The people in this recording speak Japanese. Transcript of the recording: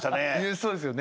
そうですよね。